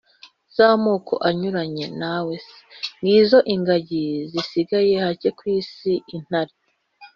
z'amoko anyuranye. nawe se, ngizo ingagi zisigaye hake ku isi, intare